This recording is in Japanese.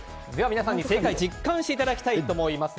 皆さんに正解を実感していただきたいと思います。